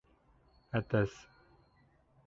Әтәс.